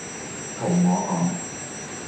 同我講